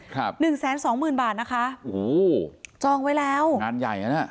ครับ๑๒๐๐๐๐บาทนะคะจองไว้แล้วงานใหญ่อ่ะน่ะ